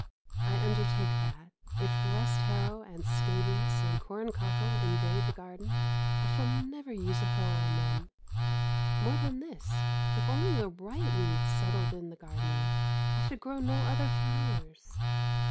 I undertake that, if rest harrow and scabious and corn cockle invade the garden, I shall never use a hoe on them. More than this, if only the right weeds settled in the garden, I should grow no other flowers.